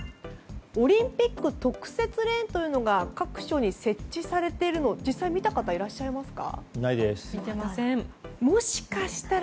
オリンピック特設レーンが各所に設置されているのを実際に見た方いらっしゃいますか？